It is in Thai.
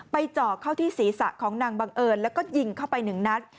เจาะเข้าที่ศีรษะของนางบังเอิญแล้วก็ยิงเข้าไปหนึ่งนัด